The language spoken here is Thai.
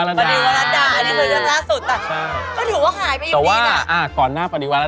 น้องไหล่คนอาจจะไม่ได้เห็น